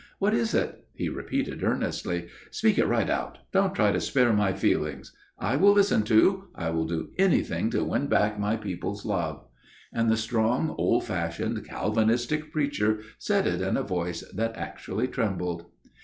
"What is it?" he repeated earnestly. "Speak it right out; don't try to spare my feelings. I will listen to I will do anything to win back my people's love," and the strong, old fashioned Calvinistic preacher said it in a voice that actually trembled.